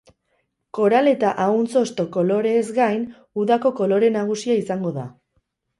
Koral eta ahuntz-hosto koloreez gain, udako kolore nagusia izango da.